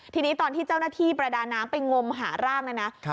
ทีนี้ตอนที่เจ้าหน้าที่ประดาน้ำไปงมหาร่างนะนะ